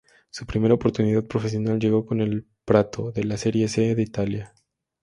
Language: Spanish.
Su primera oportunidad profesional llegó con el Prato de la Serie C de Italia.